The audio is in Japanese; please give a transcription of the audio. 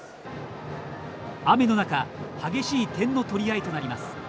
雨の中激しい点の取り合いとなります。